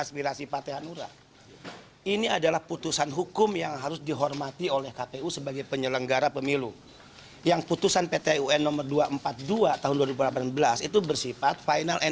melaksanakan putusan pt un ini